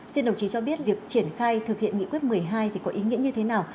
xin đồng chí cho biết việc triển khai thực hiện nghị quyết một mươi hai thì có ý nghĩa như thế nào